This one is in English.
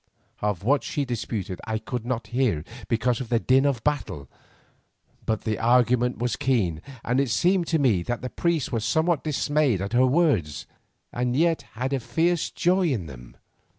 Of what she disputed I could not hear because of the din of battle, but the argument was keen and it seemed to me that the priests were somewhat dismayed at her words, and yet had a fierce joy in them.